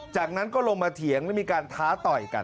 จากนั้นก็ลงมาเถียงและมีการท้าต่อยกัน